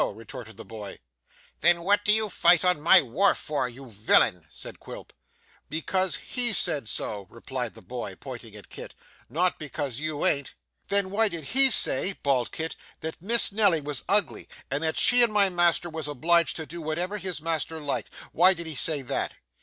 retorted the boy. 'Then what do you fight on my wharf for, you villain?' said Quilp. 'Because he said so,' replied the boy, pointing to Kit, 'not because you an't.' 'Then why did he say,' bawled Kit, 'that Miss Nelly was ugly, and that she and my master was obliged to do whatever his master liked? Why did he say that?